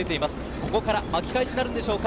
ここから巻き返しなるんでしょうか。